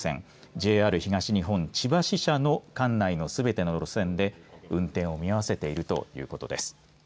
ＪＲ東日本、千葉支社の管内のすべての路線で運転を見合わせているということです。